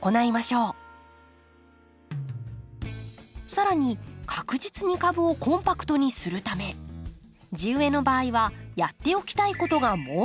更に確実に株をコンパクトにするため地植えの場合はやっておきたいことがもう一つ。